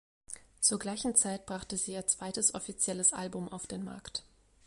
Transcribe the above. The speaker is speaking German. Zur gleichen Zeit brachte sie ihr zweites offizielles Album auf den Markt.